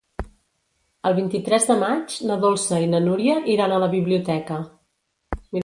El vint-i-tres de maig na Dolça i na Núria iran a la biblioteca.